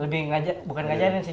bukan ngajarin sih